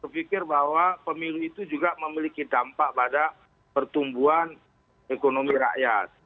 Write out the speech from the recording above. berpikir bahwa pemilu itu juga memiliki dampak pada pertumbuhan ekonomi rakyat